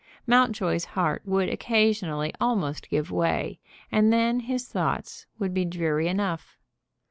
Mountjoy's heart would occasionally almost give way, and then his thoughts would be dreary enough.